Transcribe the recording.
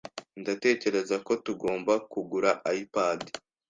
Ndatekereza ko tugomba kugura iPad.